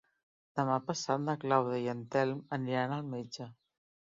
Demà passat na Clàudia i en Telm aniran al metge.